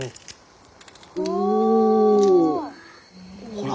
ほら。